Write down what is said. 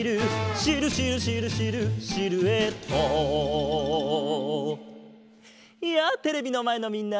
「シルシルシルシルシルエット」やあテレビのまえのみんな！